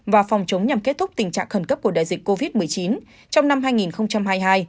và phòng chống nhằm kết thúc tình trạng khẩn cấp của đại dịch covid một mươi chín trong năm hai nghìn hai mươi hai